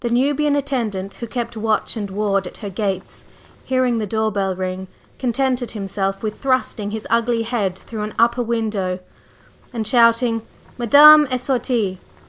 The Nubian attendant who kept watch and ward at her gates, hearing the door bell ring, contented himself with thrusting his ugly head through an open upper window and shouting "_Madame est sortie!